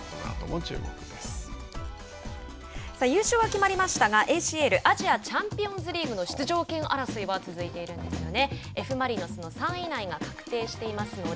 勝率がどうなるのか、このあとも優勝は決まりましたが、ＡＣＬ＝アジアチャンピオンズリーグの出場権争いは続いているんですよね。